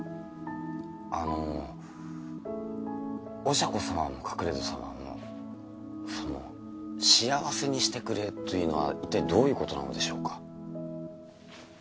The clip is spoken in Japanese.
あのおしゃ子様も隠戸様もその幸せにしてくれというのはいったいどういうことなのでしょうか？